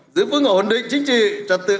giữ vững ổn định chính trị trật tự